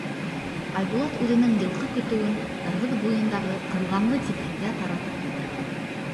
Айбулат үҙенең йылҡы көтөүен Ырғыҙ буйындағы ҡылғанлы типһенгә таратып ебәргән.